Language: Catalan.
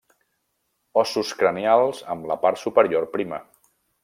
Ossos cranials amb la part superior prima.